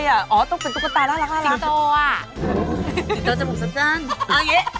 ตามแอฟผู้ชมห้องน้ำด้านนอกกันเลยดีกว่าครับ